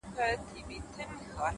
• د شعر د پیغام په برخه کي پوښتنه وسي ,